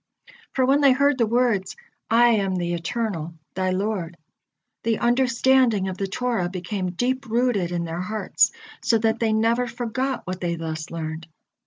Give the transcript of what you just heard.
For when they heard the words, "I am the Eternal, thy Lord," the understanding of the Torah became deep rooted in their hearts, so that they never forgot what they thus learned.